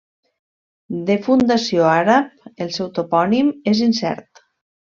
De fundació àrab, el seu topònim és incert.